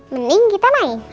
mending kita main